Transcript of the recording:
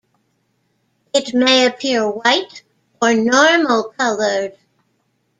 It may appear white or normal colored.